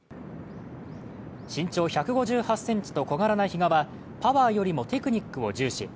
身長１５８ｃｍと小柄な比嘉は、パワーよりもテクニックを重視。